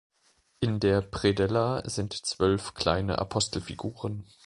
In der Predella sind zwölf kleine Apostelfiguren.